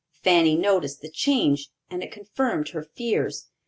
Fanny noticed the change, and it confirmed her fears.